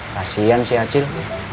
kasian si acil